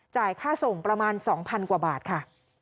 จ่ายค่าส่งประมาณ๒๐๐๐บาทค่ะ